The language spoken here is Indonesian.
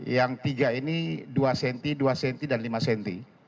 yang tiga ini dua cm dua cm dan lima cm